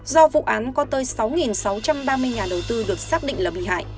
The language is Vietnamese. do vụ án có tới sáu sáu trăm ba mươi nhà đầu tư được xác định là bị hại